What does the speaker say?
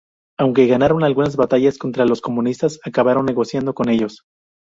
Aunque ganaron algunas batallas contra los comunistas, acabaron negociando con ellos.